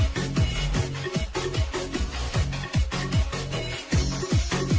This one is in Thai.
โปรดติดตามต่อไป